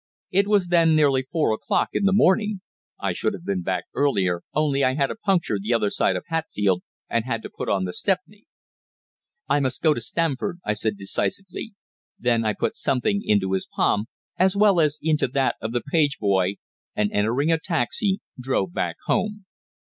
It was then nearly four o'clock in the morning. I should have been back earlier, only I had a puncture the other side of Hatfield, and had to put on the 'Stepney.'" "I must go to Stamford," I said decisively. Then I put something into his palm, as well as into that of the page boy, and, entering a taxi, drove back home.